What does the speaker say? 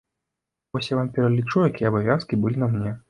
Вось я вам пералічу, якія абавязкі былі на мне.